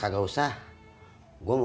apa bapak mau ngeteh